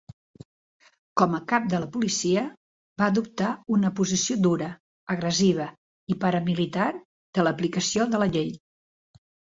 Com a cap de la policia, va adoptar una posició dura, agressiva i paramilitar de l'aplicació de la llei.